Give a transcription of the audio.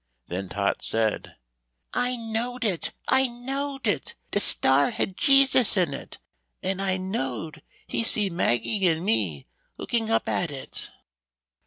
Then Tot said: "I knowed it. I knowed it! De star had Jesus in it, and I knowed He see Maggie and me looking up at it."